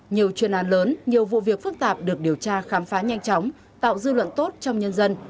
nhiều chuyên an lớn nhiều vụ việc phức tạp được điều tra khám phá nhanh chóng tạo dư luận tốt trong nhân dân